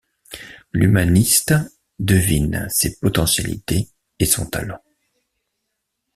L'humaniste devine ses potentialités et son talent.